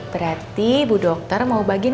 berarti budok terudah mau bagiin